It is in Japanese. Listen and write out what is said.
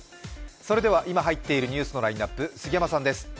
それでは今入っているニュースのラインナップ杉山さんです。